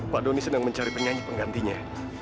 pak doni sedang mencari penyanyi penggantinya